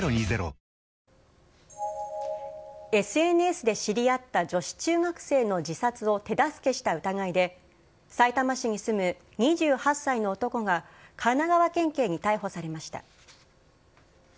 一方、ＳＮＳで知り合った女子中学生の自殺を手助けした疑いで、さいたま市に住む２８歳の男が、神奈川県警に逮捕されました。